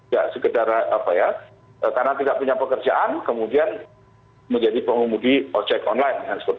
ya sekedar apa ya karena tidak punya pekerjaan kemudian menjadi pengemudi ojek online